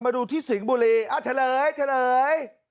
มาดูที่สิงบุรีเฉลย